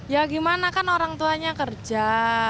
ya gimana kan orang tuanya kerja